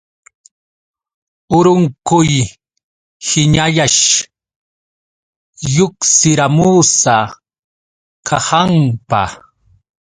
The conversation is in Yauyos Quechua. Urunquyhiñallash lluqsiramusa kahanpa.